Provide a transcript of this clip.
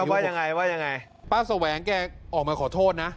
ว่าอย่างไงว่าอย่างไงป้าโสแหวงแกออกมาขอโทษนะ